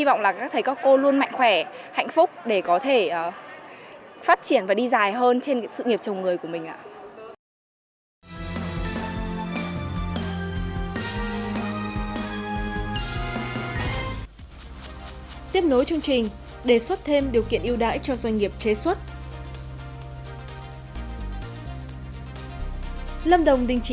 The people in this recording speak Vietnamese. mong các thầy cô luôn có đủ tâm huyết sự cố gắng trong nghiệp dạy học của mình